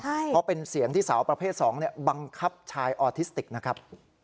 เพราะเป็นเสียงที่สาวประเภท๒บังคับชายออทิสติกนะครับ